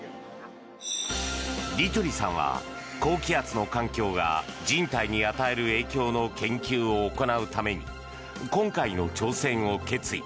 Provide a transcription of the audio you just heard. ディトゥリさんは高気圧の環境が人体に与える影響の研究を行うために今回の挑戦を決意。